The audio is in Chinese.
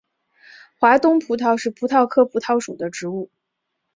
华东葡萄是葡萄科葡萄属的植物。